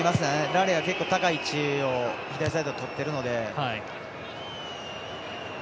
ラリンは結構高い位置を左サイドにとっているので。